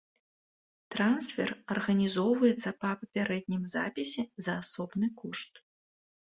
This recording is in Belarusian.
Трансфер арганізоўваецца па папярэднім запісе за асобны кошт.